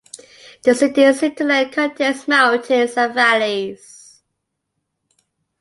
The city's hinterland contains mountains and valleys.